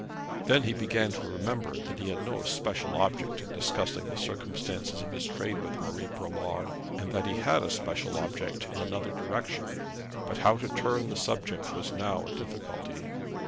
Then he began to remember that he had no special object in discussing the circumstances of his trade with Marie Bromar, and that he had a special object in another direction. But how to turn the subject was now a difficulty.